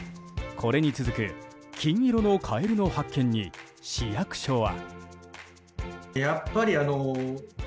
これに続く金色のカエルの発見に市役所は。